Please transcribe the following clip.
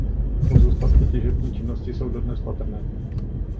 Pozůstatky těžební činnosti jsou dodnes patrné.